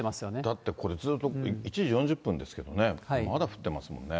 だってこれずっと１時４０分ですけどね、まだ降ってますもんね。